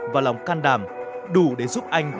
và lòng can đảm đủ để giúp anh